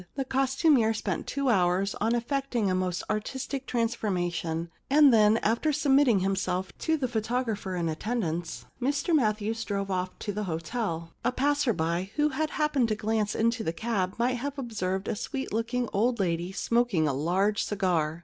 The costumier spent two hours on effecting a most artistic transfor mation and then, after submitting himself to the photographer in attendance, Mr Matthew drove off to the hotel. A passer by who 36 The Kiss Problem had happened to glance into the cab might have observed a sweet looking old lady smok ing a large cigar.